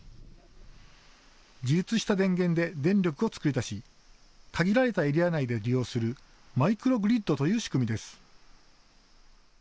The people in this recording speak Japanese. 自立した電源で電力を作り出し限られたエリア内で利用するマイクログリッドという仕組みです。